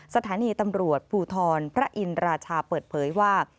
สถานีตำรวจภูทรพระอินราชาเปิดเผยว่า